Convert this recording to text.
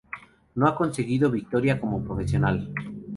No ha conseguido victoria como profesional.